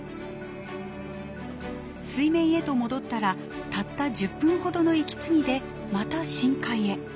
水面へと戻ったらたった１０分ほどの息継ぎでまた深海へ。